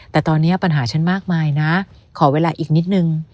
แต่ตอนนี้ปัญหาฉันมากมายนะขอเวลาอีกนิดนึง